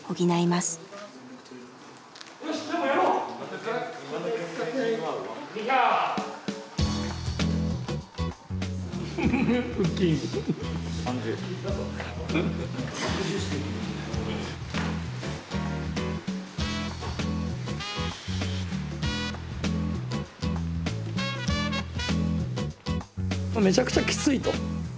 まあめちゃくちゃきついと。